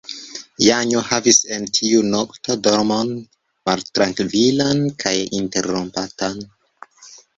Janjo havis en tiu nokto dormon maltrankvilan kaj interrompatan.